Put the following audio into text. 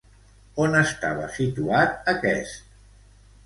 On estava situat aquest?